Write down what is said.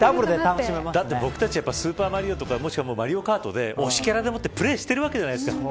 僕たち、スーパーマリオとかマリオカートで推しキャラでプレーしてるわけじゃないですか。